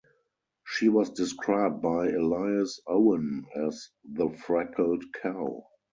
She was described by Elias Owen as the "Freckled Cow".